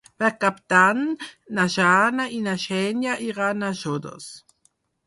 Per Cap d'Any na Jana i na Xènia iran a Xodos.